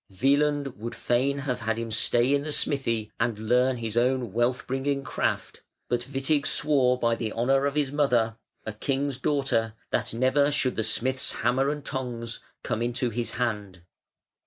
Wieland would fain have had him stay in the smithy and learn his own wealth bringing craft; but Witig swore by the honour of his mother, a king's daughter, that never should the smith's hammer and tongs come into his hand.